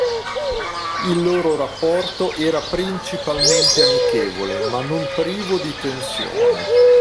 Il loro rapporto era principalmente amichevole ma non privo di tensione.